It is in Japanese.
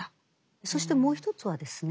そしてもう一つはですね